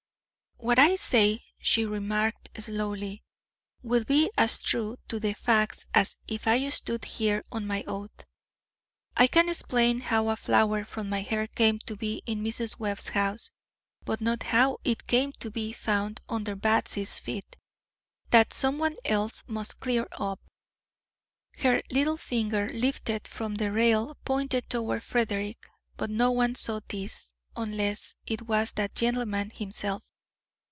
"What I say," she remarked slowly, "will be as true to the facts as if I stood here on my oath. I can explain how a flower from my hair came to be in Mrs. Webb's house, but not how it came to be found under Batsy's feet. That someone else must clear up." Her little finger, lifted from the rail, pointed toward Frederick, but no one saw this, unless it was that gentleman himself.